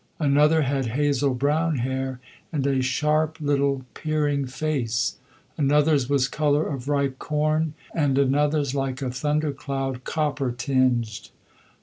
Another had hazel brown hair and a sharp little peering face; another's was colour of ripe corn, and another's like a thunder cloud, copper tinged.